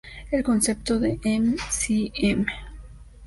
El concepto de m.c.m.